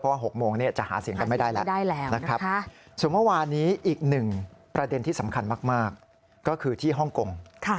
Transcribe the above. ๖โมงจะหาเสียงกันไม่ได้แล้วนะครับส่วนเมื่อวานนี้อีกหนึ่งประเด็นที่สำคัญมากก็คือที่ฮ่องกง